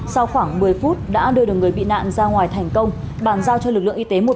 sau khoảng một mươi phút đã đưa được người bị nạn ra ngoài thành công bàn giao cho lực lượng y tế một